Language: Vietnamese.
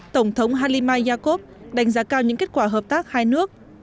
tổng thống halima yaakob đánh giá cao những kết quả hợp tác hai nước